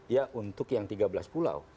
ya untuk yang tiga belas pulau